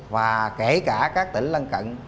và kể cả các tỉnh lân cận